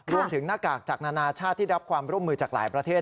หน้ากากจากนานาชาติที่รับความร่วมมือจากหลายประเทศ